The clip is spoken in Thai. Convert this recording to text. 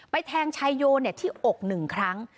ไปแทงชายโยเนี่ยที่อกหนึ่งครั้ง